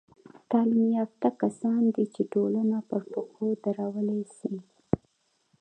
تعلیم یافته کسان دي، چي ټولنه پر پښو درولاى سي.